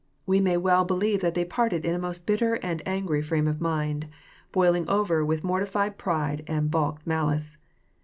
We may well believe that they parted in a most bitter and angry frame of mind, boiling over with mortified pride and baulked malice.